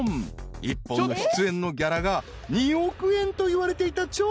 １本の出演のギャラが２億円といわれていた超売れっ子］